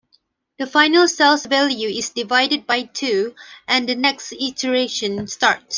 The final cell's value is divided by two, and the next iteration starts.